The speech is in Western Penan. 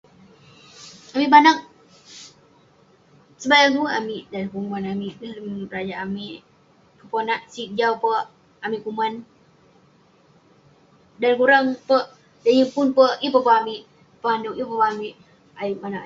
Amik panak, sebayang tuek amik dalem peguman amik, dalem berajak. Peponak sik jau pek, amik kuman. Dan kurang pek, dan yeng pun pek, yeng pun pe amik panouk, yeng pun pe amik ayuk manouk-